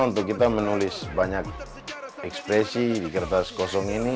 untuk kita menulis banyak ekspresi di kertas kosong ini